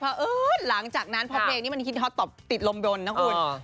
แต่พอเอิ้นหลังจากนั้นพอเพลงนี้มันคิดฮอตตอบติดลมบนนะคุณ